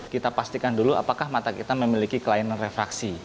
kita pastikan dulu apakah mata kita memiliki kelainan refraksi